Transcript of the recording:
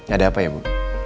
ada apa ya bu